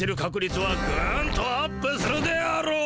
つはグンとアップするであろう！